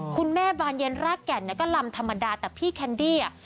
คุณแม่บานเย็นรักแก่นก็ลำธรรมดาแต่พี่แคนดี้